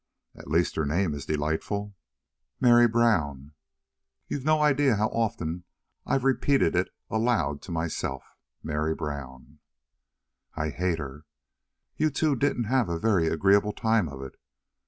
At least her name is delightful Mary Brown! You've no idea how often I've repeated it aloud to myself Mary Brown!" "I hate her!" "You two didn't have a very agreeable time of it?